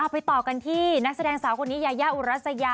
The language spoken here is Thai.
ไปต่อกันที่นักแสดงสาวคนนี้ยายาอุรัสยา